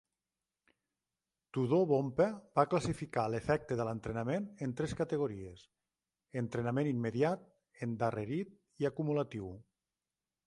Tudor Bompa va classificar l'efecte de l'entrenament en tres categories: entrenament immediat, endarrerit i acumulatiu.